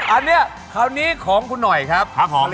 อันนี้คราวนี้ของคุณหน่อยครับผม